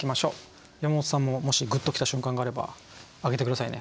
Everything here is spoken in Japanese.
山本さんももしグッときた瞬間があれば挙げて下さいね。